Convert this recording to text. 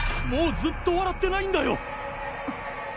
もうずっと笑ってないんだよ！